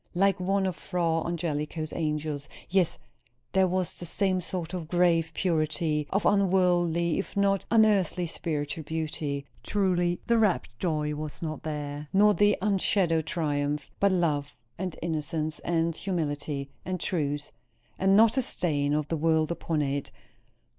Like one of Fra Angelico's angels! Yes, there was the same sort of grave purity, of unworldly if not unearthly spiritual beauty. Truly the rapt joy was not there, nor the unshadowed triumph; but love, and innocence, and humility, and truth; and not a stain of the world upon it.